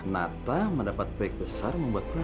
natas mendapat proyek besar untuk membuat perahu